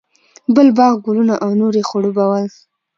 بل باغ، ګلونه او نور یې خړوبول.